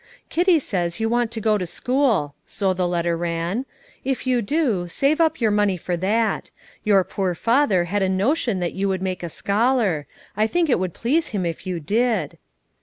"Kitty says you want to go to school," so the letter ran; "if you do, save up your money for that. Your poor father had a notion that you would make a scholar; I think it would please him if you did."